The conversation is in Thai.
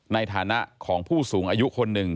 ในฐานะของผู้สูงอายุคนหนึ่ง